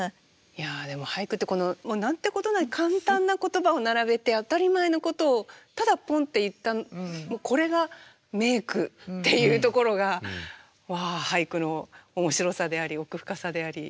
いやでも俳句って何てことない簡単な言葉を並べて当たり前のことをただポンって言ったこれが名句っていうところがわあ俳句の面白さであり奥深さであり。